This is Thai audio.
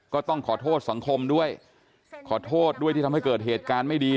ก็ต้องขอโทษสังคมด้วยขอโทษด้วยที่ทำให้เกิดเหตุการณ์ไม่ดี